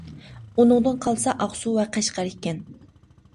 ئۇنىڭدىن قالسا ئاقسۇ ۋە قەشقەر ئىكەن.